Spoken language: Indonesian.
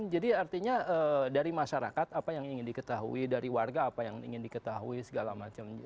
jadi artinya dari masyarakat apa yang ingin diketahui dari warga apa yang ingin diketahui segala macam